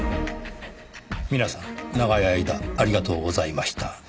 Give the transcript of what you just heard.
「みなさん長い間ありがとうございました」